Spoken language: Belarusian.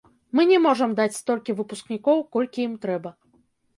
Мы не можам даць столькі выпускнікоў, колькі ім трэба.